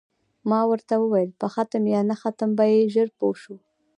ما ورته وویل: په ختم یا نه ختم به یې ژر پوه شو.